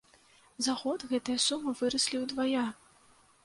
За год гэтыя сумы выраслі ўдвая!